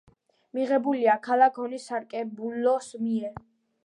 მიღებულია ქალაქ ონის საკრებულოს მიერ.